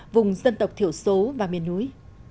vùng dân tộc thiểu số và miền núi